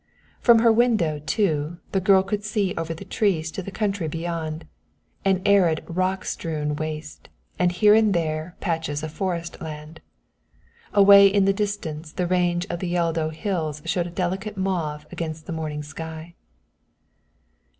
From her window, too, the girl could see over the trees to the country beyond an arid rock strewn waste and here and there patches of forest land. Away in the distance the range of the Yeldo hills showed a delicate mauve against the morning sky.